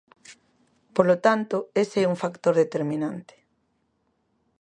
Polo tanto, ese é un factor determinante.